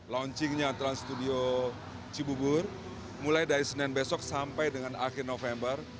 launchingnya trans studio cibubur mulai dari senin besok sampai dengan akhir november